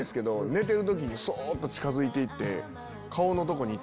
寝てる時にそっと近づいていって。